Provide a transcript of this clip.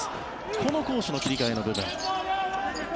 この攻守の切り替えの部分。